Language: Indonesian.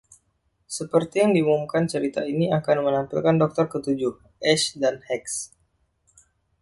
Seperti yang diumumkan, cerita ini akan menampilkan Doktor Ketujuh, Ace dan Hex.